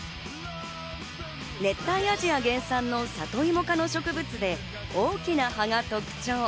熱帯アジア原産の里芋科の植物で、大きな葉が特徴。